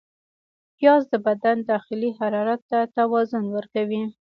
پیاز د بدن داخلي حرارت ته توازن ورکوي